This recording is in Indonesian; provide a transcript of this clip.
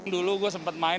dulu gue sempat main